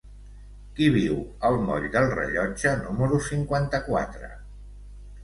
Qui viu al moll del Rellotge número cinquanta-quatre?